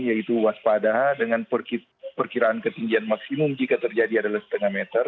yaitu waspada dengan perkiraan ketinggian maksimum jika terjadi adalah setengah meter